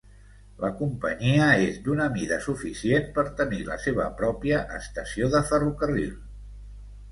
La companyia és d'una mida suficient per tenir la seva pròpia estació de ferrocarril.